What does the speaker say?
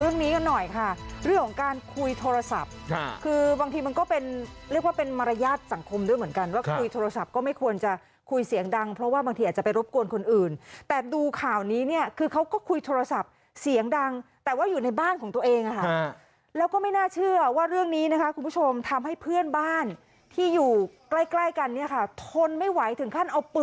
เรื่องนี้กันหน่อยค่ะเรื่องของการคุยโทรศัพท์คือบางทีมันก็เป็นเรียกว่าเป็นมารยาทสังคมด้วยเหมือนกันว่าคุยโทรศัพท์ก็ไม่ควรจะคุยเสียงดังเพราะว่าบางทีอาจจะไปรบกวนคนอื่นแต่ดูข่าวนี้เนี่ยคือเขาก็คุยโทรศัพท์เสียงดังแต่ว่าอยู่ในบ้านของตัวเองค่ะแล้วก็ไม่น่าเชื่อว่าเรื่องนี้นะคะคุณผ